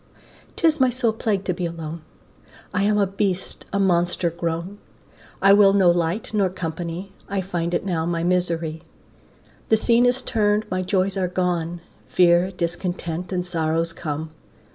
'Tis my sole plague to be alone, I am a beast, a monster grown, I will no light nor company, I find it now my misery. The scene is turn'd, my joys are gone, Fear, discontent, and sorrows come.